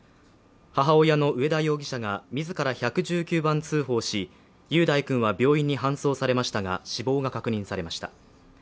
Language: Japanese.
母親の上田容疑者が自ら１１９番通報し、雄大君は病院に搬送されましたが、死亡が確認されました。